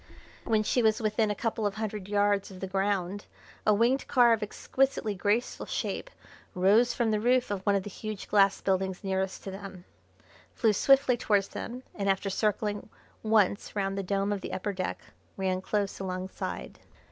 When she was within a couple of hundred yards of the ground a winged car of exquisitely graceful shape rose from the roof of one of the huge glass buildings nearest to them, flew swiftly towards them, and after circling once round the dome of the upper deck, ran close alongside.